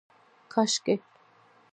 کاشکي